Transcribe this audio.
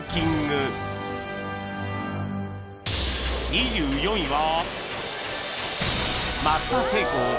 ２４位は